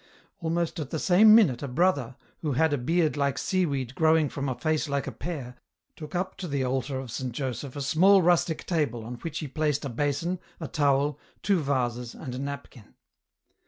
Almost at the same minute a brother, who had a beard like seaweed growing from a face like a pear, took up to the altar of St. Joseph a small rustic table on which he placed a basin, a towel, two vases and a napkin.